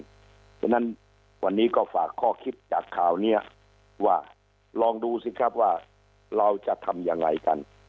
เพราะฉะนั้นวันนี้ก็ฝากข้อคิดจากข่าวนี้ว่าลองดูสิครับว่าเราจะทำยังไงกัน